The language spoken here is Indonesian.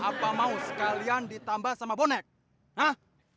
apa mau sekalian ditambah sama bonek nah